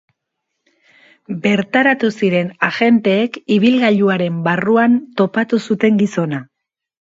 Bertaratu ziren agenteek ibilgailuaren barruan topatu zuten gizona.